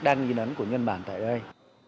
đang in ấn của nhân bản tại đây